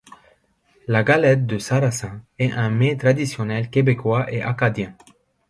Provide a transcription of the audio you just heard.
La galette de sarrasin est un mets traditionnel québécois et acadien.